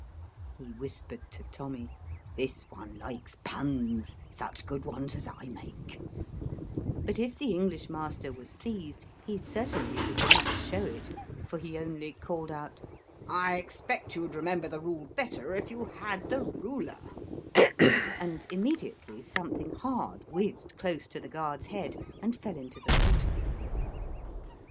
He whispered to Tommy, " This one likes puns such good ones as I make ;" but if the English master was pleased, he certainly did not show it, for he only called out, " I expect you'd remember the rule better if you had the ruler," and immediately something hard whizzed close to the guard's head and fell into the water.